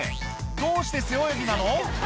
どうして背泳ぎなの？